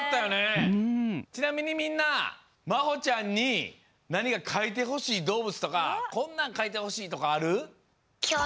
ちなみにみんなまほちゃんになにかかいてほしいどうぶつとかこんなんかいてほしいとかある？